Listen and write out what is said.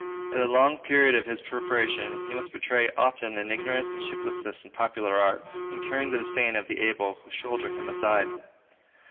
In the long period of his preparation, he must betray often an ignorance and shiftlessness in popular arts, incurring the disdain of the able who shoulder him aside.